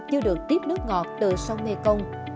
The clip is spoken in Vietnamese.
chưa được tiếp nước ngọt từ sông mê công